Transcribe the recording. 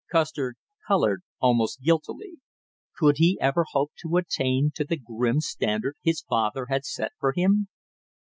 Custer colored almost guiltily. Could he ever hope to attain to the grim standard his father had set for him?